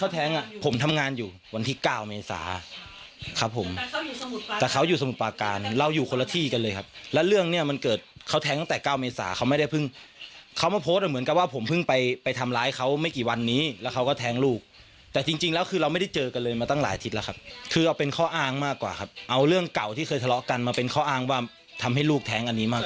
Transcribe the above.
ทำงานอยู่วันที่๙เมษาครับผมแต่เขาอยู่สมุทรประการเราอยู่คนละที่กันเลยครับแล้วเรื่องเนี่ยมันเกิดเขาแท้งตั้งแต่๙เมษาเขาไม่ได้เพิ่งเขามาโพสต์เหมือนกันว่าผมเพิ่งไปไปทำร้ายเขาไม่กี่วันนี้แล้วเขาก็แท้งลูกแต่จริงแล้วคือเราไม่ได้เจอกันเลยมาตั้งหลายอาทิตย์แล้วครับคือเอาเป็นข้ออ้างมากกว่าครับเอาเรื่องเก่